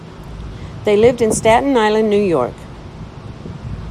They lived in Staten Island, New York.